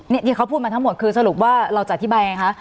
นี่ที่เขาพูดมาทั้งหมดคือสรุปว่าเราจะอธิบายไงคะ